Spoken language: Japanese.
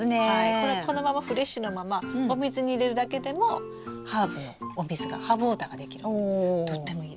これこのままフレッシュなままお水に入れるだけでもハーブのお水がハーブウォーターができるのでとってもいいですよ。